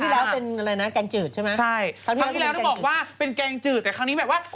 ได้เวลาเสิร์ฟความแซ่บเห็ดแหละแล้วค่ะ